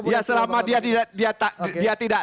ya selama dia tidak